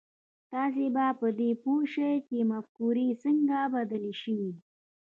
تاسې به پر دې پوه شئ چې مفکورې څنګه بدلې شوې.